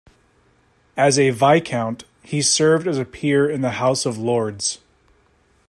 As a Viscount, he served as a peer in the House of Lords.